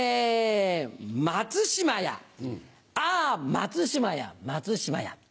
松島やああ松島や松島や。